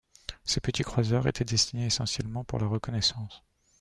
Ces petits croiseurs étaient destinés essentiellement pour la reconnaissance.